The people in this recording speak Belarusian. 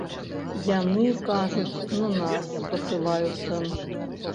Яны кажуць, на нас спасылаюцца.